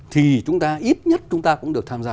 thì chúng ta ít nhất chúng ta cũng được tham gia